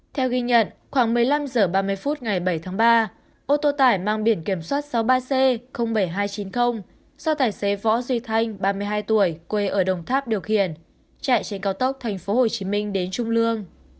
theo ghi nhận khoảng một mươi năm h ba mươi phút ngày bảy tháng ba ô tô tải mang biển kiểm soát sáu mươi ba c bảy nghìn hai trăm chín mươi do tài xế võ duy thanh ba mươi hai tuổi quê ở đồng tháp điều khiển chạy trên cao tốc tp hcm đến trung lương